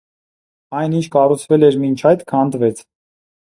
Այն ինչ կառուցվել էր մինչ այդ քանդվեց։